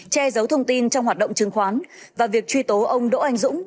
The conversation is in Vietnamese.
che giấu thông tin trong hoạt động chứng khoán và việc truy tố ông đỗ anh dũng